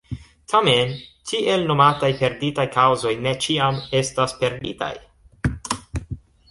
Tamen, tiel nomataj perditaj kaŭzoj ne ĉiam estas perditaj.